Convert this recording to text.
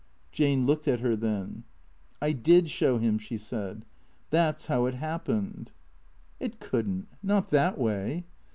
Jane looked at her then. " I did show him," she said. " That 's liow it happened." " It could n't. Not that way."